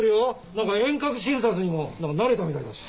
なんか遠隔診察にも慣れたみたいだし。